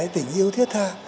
tình yêu thiết tha